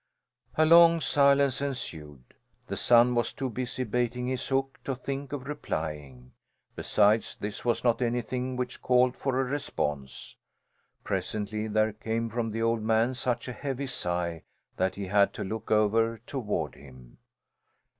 A long silence ensued. The son was too busy baiting his hook to think of replying. Besides, this was not anything which called for a response. Presently there came from the old man such a heavy sigh that he had to look over toward him.